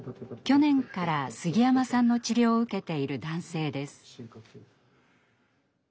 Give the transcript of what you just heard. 去年から杉山さんの治療を受けている男性です。